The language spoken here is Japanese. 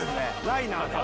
ライナーだ。